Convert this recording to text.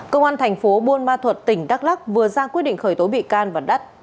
công an thành phố buôn ma thuật tỉnh đắk lắc vừa ra quyết định khởi tố bị can và đắt